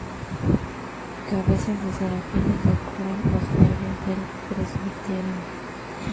Cabezas de serafines decoran los nervios del presbiterio.